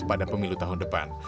pada pemilu tahun depan